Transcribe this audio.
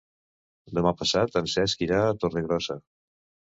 Demà passat en Cesc irà a Torregrossa.